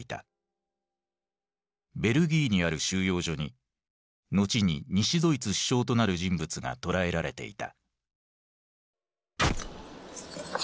ベルギーにある収容所に後に西ドイツ首相となる人物が捕らえられていた。